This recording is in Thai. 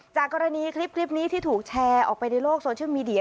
จากกรณีคลิปนี้ที่ถูกแชร์ออกไปในโลกโซเชียลมีเดีย